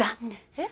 えっ？